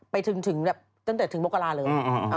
ไปถึงแบบตั้งแต่ถึงมกราเลย